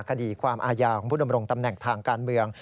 คดีความอาญาของผู้ดำรงตำแหน่งทางการเมือง